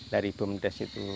dari bumdes itu